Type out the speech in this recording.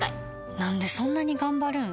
なんでそんなに頑張るん？